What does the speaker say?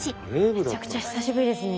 めちゃくちゃ久しぶりですね。